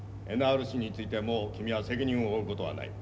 ＮＲＣについてもう君は責任を負うことはない。